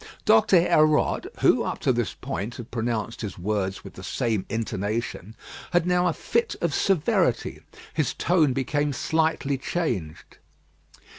Doctor Hérode, who, up to this point, had pronounced his words with the same intonation, had now a fit of severity; his tone became slightly changed.